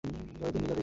এ যে নীলা দেখছি।